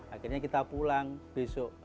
akhirnya kita pulang besok